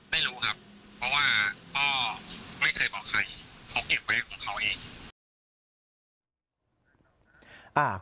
ไม่รู้ครับเพราะว่าพ่อไม่เคยบอกใครเขาเก็บไว้ของเขาเอง